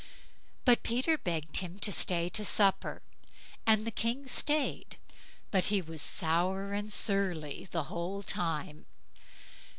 But Peter begged him to stay to supper, and the King stayed, but he was sour, and surly the whole time.